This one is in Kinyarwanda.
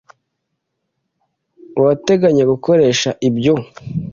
Urateganya gukoresha ibyo?